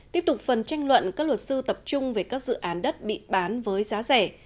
tiếp tục phần tranh luận các luật sư tập trung về các dự án đất bị bán với giá rẻ